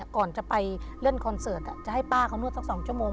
ก่อนจะไปเล่นคอนเสิร์ตจะให้ป้าเขานวดสัก๒ชั่วโมง